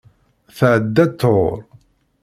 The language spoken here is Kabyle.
Tɛedda ṭhur.